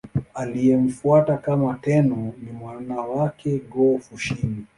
Aliyemfuata kama Tenno ni mwana wake Go-Fushimi.